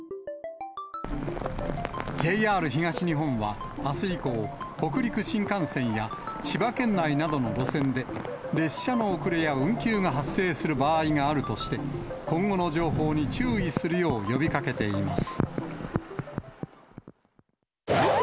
ＪＲ東日本は、あす以降、北陸新幹線や千葉県内などの路線で、列車の遅れや運休が発生する場合があるとして、今後の情報に注意するよう呼びかけています。